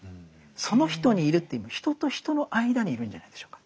その人にいるというよりも人と人の間にいるんじゃないでしょうか。